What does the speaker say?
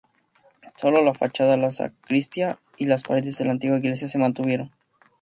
Sólo la fachada, la sacristía, y las paredes de la antigua iglesia se mantuvieron.